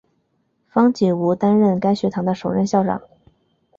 方解吾担任该学堂的首任校长。